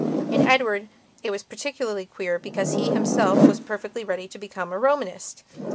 In Edward it was particularly queer because he himself was perfectly ready to become a Romanist.